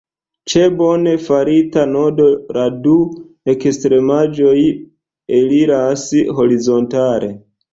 Ĉe bone farita nodo la du ekstremaĵoj eliras horizontale.